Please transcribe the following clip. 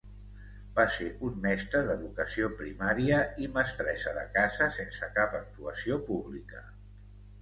Va ser un mestre d'educació primària i mestressa de casa sense cap actuació pública.